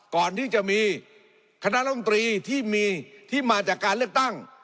ก่อนที่จะมีคณะรัฐมนตรีที่มีที่มาจากการเลือกตั้ง